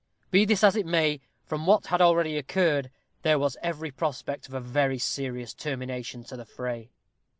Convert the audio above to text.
Be this as it may, from what had already occurred, there was every prospect of a very serious termination to the fray.